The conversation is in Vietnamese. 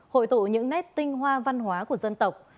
hội tụ những nét tinh hoa văn hóa của dân tộc